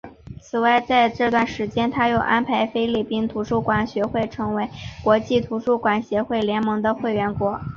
此外这段期间他又安排菲律宾图书馆学会成为国际图书馆协会联盟的会员国。